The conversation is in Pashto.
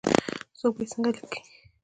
څوک به یې څنګه لیکې ؟